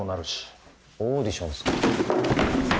オーディション。